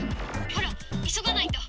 ほらいそがないと！